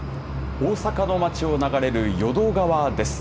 大阪の街を流れる淀川です。